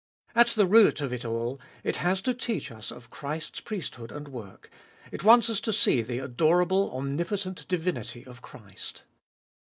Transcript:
At the root of all it has to teach us of Christ's priesthood and work, it wants us to see the adorable omnipotent divinity of Christ.